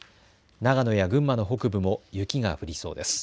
長野や群馬の北部も雪が降りそうです。